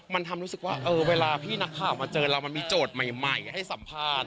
มันทำรู้สึกว่าเวลาพี่นักข่าวมาเจอเรามันมีโจทย์ใหม่ให้สัมภาษณ์